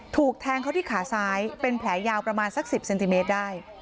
ถูกแทงเขาที่ขาซ้ายเป็นแผลยาวประมาณสัก๑๐เซนติเมตรได้